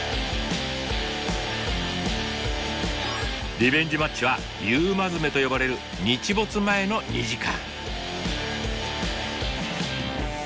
リベンジマッチは「夕まずめ」と呼ばれる日没前の２時間。